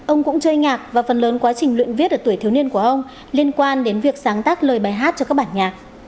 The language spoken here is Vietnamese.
ông cũng chơi nhạc và phần lớn quá trình luyện viết ở tuổi thiếu niên của ông liên quan đến việc sáng tác lời bài hát cho các bản nhạc